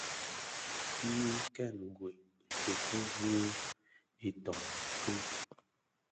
Nyi kèn gwed nkuekued bi itön ki.